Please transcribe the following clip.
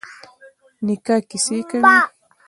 نیکه کیسې کوي.